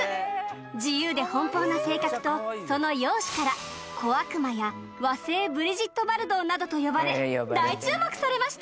自由で奔放な性格とその容姿から小悪魔や和製ブリジット・バルドーなどと呼ばれ大注目されました